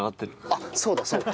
あっそうだそうだ。